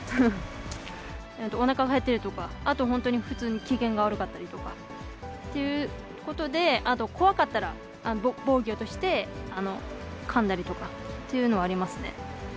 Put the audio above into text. おなかが減ったりとか、あと本当に普通に機嫌が悪かったりとかっていうことで、あと怖かったら防御としてかんだりとかっていうのはありますね。